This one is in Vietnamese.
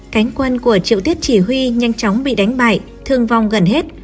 cánh quân của triệu tiết chỉ huy nhanh chóng bị đánh bại thương vong gần hết